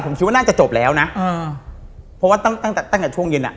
ผมคิดว่าน่าจะจบแล้วนะอ่าเพราะว่าตั้งแต่ตั้งแต่ตั้งแต่ช่วงเย็นอ่ะ